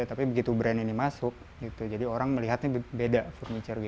tapi begitu brand ini masuk jadi orang melihatnya beda furniture